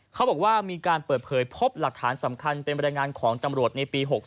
เขาบอกว่ามีการเปิดเผยพบหลักฐานสำคัญเป็นบรรยายงานของตำรวจในปี๖๒